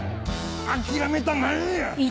諦めたないんや！